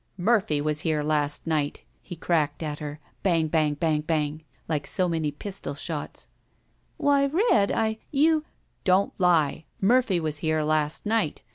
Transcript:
"Murphy was here last night!" he cracked at her, bang bang bang bang bang, like so many pistol shots. "Why, Red— I— You—" "Don't lie. Murphy was here last night!